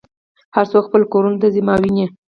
هر څوک خپلو کورونو ته ځي ما وینې.